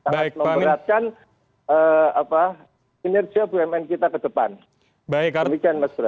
sangat memberatkan kinerja dua umn kita ke depan